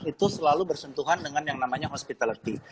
itu selalu bersentuhan dengan yang namanya hospitality